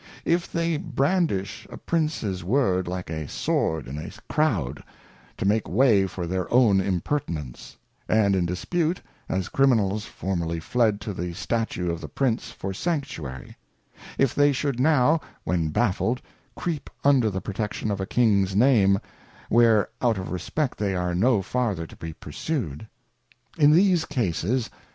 If they brandish a Princes Word like a Sword in a Crowd, to make way for their own impertinence ; and in dispute, as Criminals formerly fled to the Statue of the Prince for Sanctuary ; if they should now, when baffled, creep under the protection of a Kings Name, where out of respect they are no farther to be pursued. In these cases.